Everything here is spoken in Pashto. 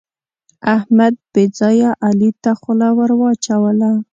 احمد بې ځایه علي ته خوله ور واچوله.